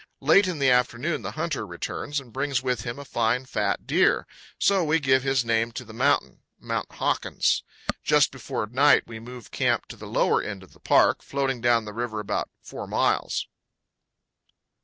Late in the afternoon the hunter returns and brings with him a fine, fat deer; so we give his name to the mountain Mount Hawkins. Just before night we move camp to the lower end of the park, floating down the river about four miles.